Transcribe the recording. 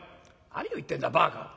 何を言ってんだバカ。